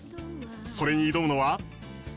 それに挑むのは。